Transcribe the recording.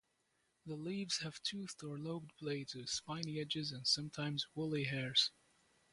The leaves have toothed or lobed blades with spiny edges and sometimes woolly hairs.